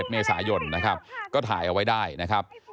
เมษายนนะครับก็ถ่ายเอาไว้ได้นะครับ